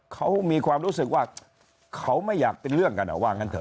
เขามีความรู้สึกว่าเขาไม่อยากเป็นเรื่องกันว่างั้นเถ